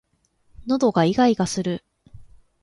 喉がいがいがする